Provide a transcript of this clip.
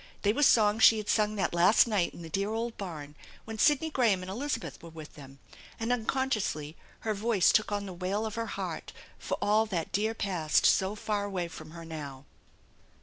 They were songs she had sung that last night in the dear old barn when Sidney Graham and Elizabeth were with them, and unconsciously her voice took on the wail of her heart for all that dear past so far away from her now.